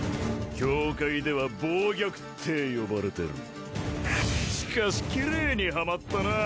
教会では暴虐って呼ばれてるしかしキレイにハマったなあ